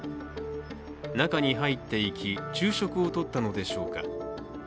中に入っていき、昼食をとったのでしょうか。